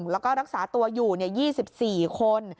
แล้วก็รักษาตัวอยู่๒๔คน